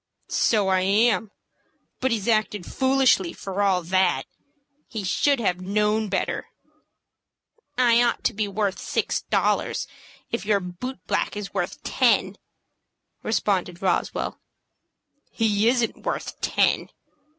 "So I am; but he's acted foolishly for all that. He should have known better." "I ought to be worth six dollars, if your boot black is worth ten," responded Roswell. "He isn't worth ten."